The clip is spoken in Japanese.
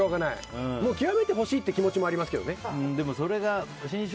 もう究めてほしいという気持ちもありますよね。